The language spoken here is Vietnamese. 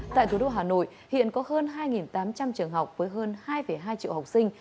tại thủ đô hà nội hiện có hơn hai tám trăm linh trường học với hơn hai hai triệu học sinh